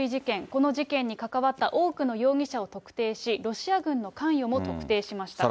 この事件に関わった多くの容疑者を特定し、ロシア軍の関与も特定しました。